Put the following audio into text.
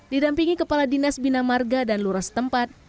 didampingi kepala dinas bina marga dan lura setempat